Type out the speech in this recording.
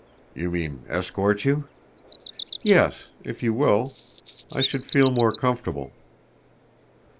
"You mean ... escort you?" "Yes, if you will. I should feel more comfortable."